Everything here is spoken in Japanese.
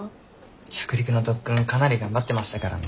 着陸の特訓かなり頑張ってましたからね。